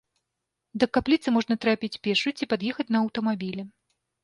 Да капліцы можна трапіць пешшу ці пад'ехаць на аўтамабілі.